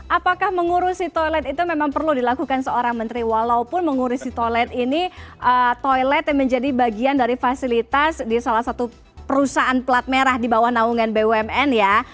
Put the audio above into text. apakah mengurusi toilet itu memang perlu dilakukan seorang menteri walaupun mengurusi toilet ini toilet yang menjadi bagian dari fasilitas di salah satu perusahaan plat merah di bawah naungan bumn ya